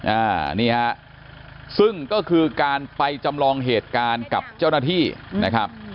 อ่านี่ฮะซึ่งก็คือการไปจำลองเหตุการณ์กับเจ้าหน้าที่นะครับ